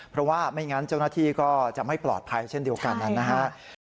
เพราะว่าไม่งั้นเจ้าหน้าที่ก็จะไม่ปลอดภัยเช่นเดียวกันนะครับ